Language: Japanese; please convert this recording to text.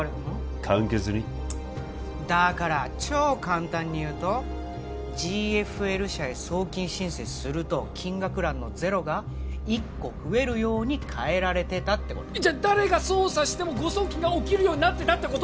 簡潔にだから超簡単に言うとＧＦＬ社へ送金申請すると金額欄のゼロが１個増えるように変えられてたってことじゃ誰が操作しても誤送金が起きるようになってたってこと？